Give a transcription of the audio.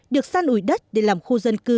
được săn ủi đất để làm khu dân cư